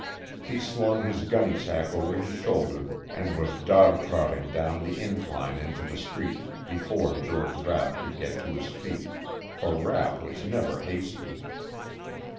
He slung his gunny sack over his shoulder and was dog trotting down the incline into the street before George Rapp could get to his feet, for Rapp was never hasty.